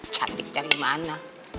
cantik dari mana